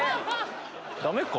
ダメか？